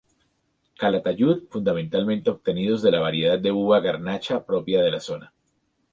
Calatayud, fundamentalmente obtenidos de la variedad de uva garnacha propia de la zona.